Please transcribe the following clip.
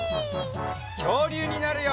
きょうりゅうになるよ！